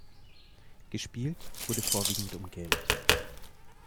Gespielt wurde vorwiegend um Geld.